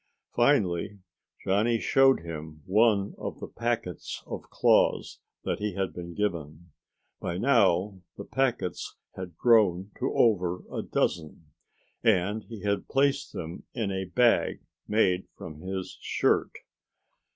Finally Johnny showed him one of the packets of claws that he had been given. By now the packets had grown to over a dozen, and he had placed them in a bag made from his shirt.